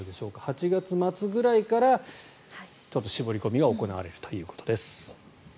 ８月末ぐらいから絞り込みが行われるということです。